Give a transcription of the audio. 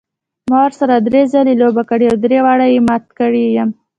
ما ورسره درې ځلې لوبه کړې او درې واړه یې مات کړی یم.